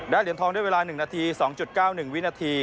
เหรียญทองด้วยเวลา๑นาที๒๙๑วินาที